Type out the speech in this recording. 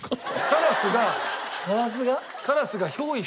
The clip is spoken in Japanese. カラスが？